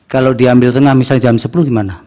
kalau diambil tengah misalnya jam sepuluh gimana